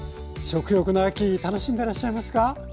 食欲の秋楽しんでらっしゃいますか？